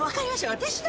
私の。